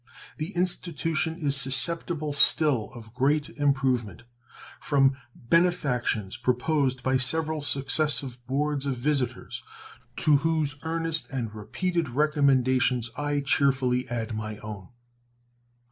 The institution is susceptible still of great improvement from benefactions proposed by several successive Boards of Visitors, to whose earnest and repeated recommendations I cheerfully add my own.